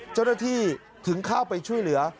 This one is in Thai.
เจ้าหน้าที่ถึงเข้าไปช่วยเหลือ